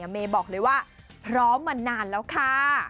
เมย์บอกเลยว่าพร้อมมานานแล้วค่ะ